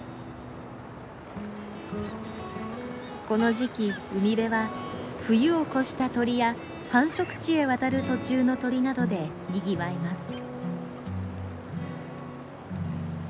この時期海辺は冬を越した鳥や繁殖地へ渡る途中の鳥などでにぎわいます。